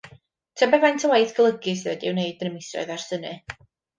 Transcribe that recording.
Tybed faint o waith golygu sydd wedi ei wneud yn y misoedd ers hynny?